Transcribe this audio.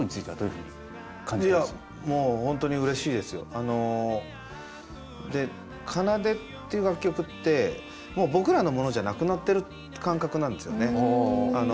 あので「奏」っていう楽曲ってもう僕らのものじゃなくなってる感覚なんですよね。